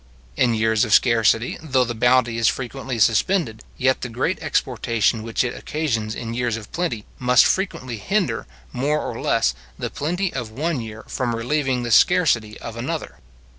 In years of scarcity, though the bounty is frequently suspended, yet the great exportation which it occasions in years of plenty, must frequently hinder, more or less, the plenty of one year from relieving the scarcity of another.